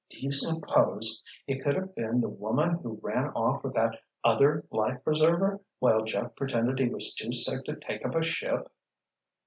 Do you suppose it could have been the woman who ran off with that other life preserver, while Jeff pretended he was too sick to take up a ship?"